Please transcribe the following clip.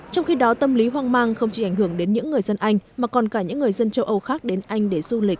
trong khi đó tâm lý hoang mang không chỉ ảnh hưởng đến những người dân anh mà còn cả những người dân châu âu khác đến anh để du lịch học tập và làm việc